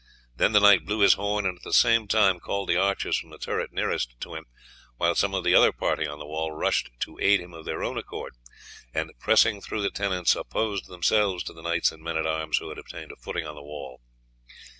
Then the knight blew his horn, and at the same time called the archers from the turret nearest to him, while some of the other party on the wall rushed to aid him of their own accord and, pressing through the tenants, opposed themselves to the knights and men at arms who had obtained a footing on the wall.